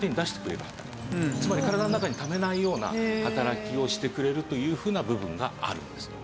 つまり体の中にためないような働きをしてくれるというふうな部分があるんです。